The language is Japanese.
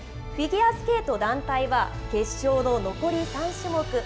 フィギュアスケート団体は、決勝の残り３種目。